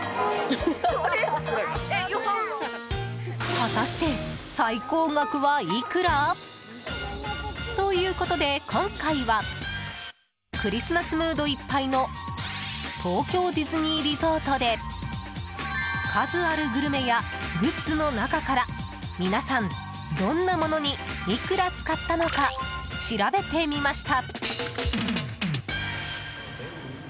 果たして最高額はいくら？ということで今回はクリスマスムードいっぱいの東京ディズニーリゾートで数あるグルメやグッズの中から皆さん、どんなものにいくら使ったのか調べてみました。